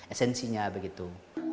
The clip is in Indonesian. itu adalah asentis